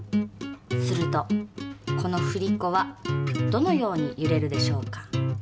するとこの振り子はどのようにゆれるでしょうか？